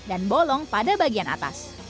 dan bolong pada bagian atas